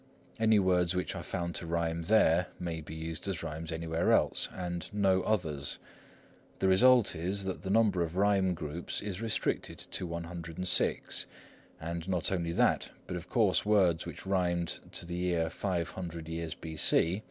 Any words which are found to rhyme there may be used as rhymes anywhere else, and no others. The result is, that the number of rhyme groups is restricted to 106; and not only that, but of course words which rhymed to the ear five hundred years B.C.